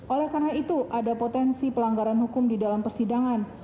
oleh karena itu ada potensi pelanggaran hukum di dalam persidangan